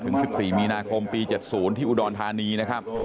ถึง๑๔มีนาคมปี๗๐ที่อุดรธานีนะครับ